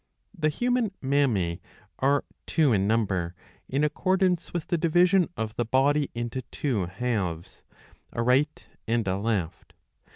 The human mammae are two in number, in accordance with the division of the body into two halves, a right and a left.